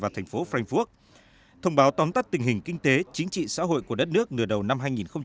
trong báo tóm tắt tình hình kinh tế chính trị xã hội của đất nước nửa đầu năm hai nghìn một mươi bảy